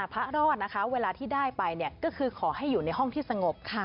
พระรอดนะคะเวลาที่ได้ไปก็คือขอให้อยู่ในห้องที่สงบค่ะ